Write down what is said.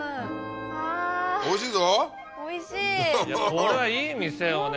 これはいい店をね